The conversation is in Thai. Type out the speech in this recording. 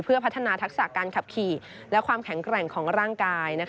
เพื่อพัฒนาทักษะการขับขี่และความแข็งแกร่งของร่างกาย